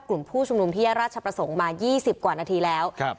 กลุ่มผู้ชุมนุมที่แยกราชประสงค์มา๒๐กว่านาทีแล้วครับ